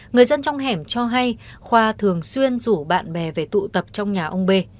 người dân trong hẻm cho hay khoa thường xuyên rủ bạn bè về tụ tập trong nhà ông bê